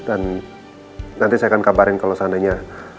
dan nanti saya akan kabarkan kalau seandainya